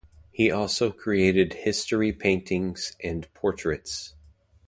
He also created history paintings and portraits.